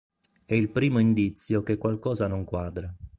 È il primo indizio che qualcosa non quadra.